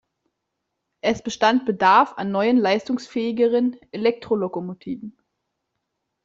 Es bestand Bedarf an neuen, leistungsfähigeren Elektrolokomotiven.